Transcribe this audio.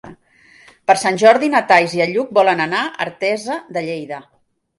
Per Sant Jordi na Thaís i en Lluc volen anar a Artesa de Lleida.